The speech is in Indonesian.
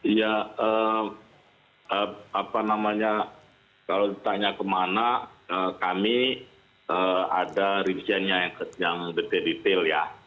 ya apa namanya kalau ditanya kemana kami ada revision nya yang detail detail ya